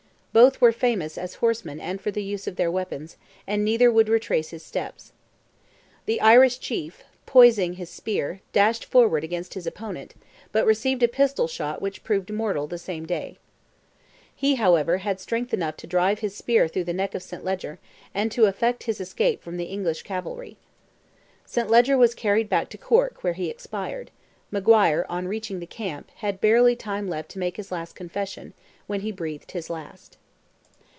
Both were famous as horsemen and for the use of their weapons, and neither would retrace his steps. The Irish chief, poising his spear, dashed forward against his opponent, but received a pistol shot which proved mortal the same day. He, however, had strength enough left to drive his spear through the neck of St. Leger, and to effect his escape from the English cavalry. Saint Leger was carried back to Cork where he expired; Maguire, on reaching the camp, had barely time left to make his last confession, when he breathed his last.